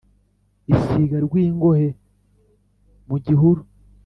isiga rwingohe mu gihuru.